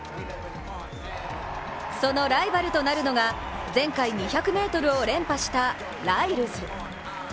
そのライバルとなるのが、前回２００ｍを連覇したライルズ。